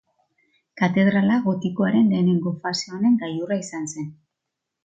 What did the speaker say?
Katedrala gotikoaren lehenengo fase honen gailurra izan zen.